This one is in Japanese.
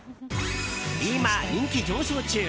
今、人気上昇中！